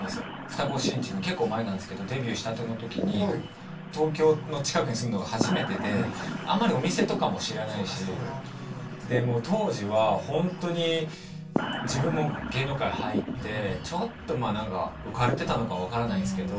二子新地に結構前なんですけどデビューしたての時に東京の近くに住むのが初めてであんまりお店とかも知らないしでもう当時はホントに自分も芸能界入ってちょっとまあ何か浮かれてたのか分からないですけど